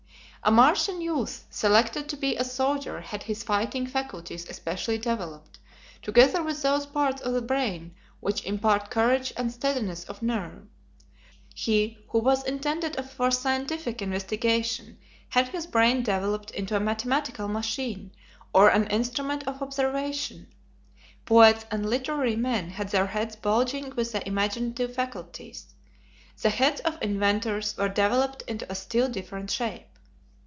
A Martian youth selected to be a soldier had his fighting faculties especially developed, together with those parts of the brain which impart courage and steadiness of nerve. He who was intended for scientific investigation had his brain developed into a mathematical machine, or an instrument of observation. Poets and literary men had their heads bulging with the imaginative faculties. The heads of inventors were developed into a still different shape.